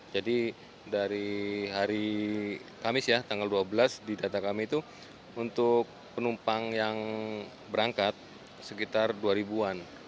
jadi dari hari kamis ya tanggal dua belas di data kami itu untuk penumpang yang berangkat sekitar dua ribu an